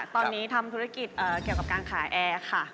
ตอนนี้ทำธุรกิจเกี่ยวกับการขายแอร์ค่ะ